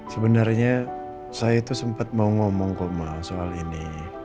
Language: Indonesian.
sebenarnya saya tuh sempat mau ngomong ke ma soal ini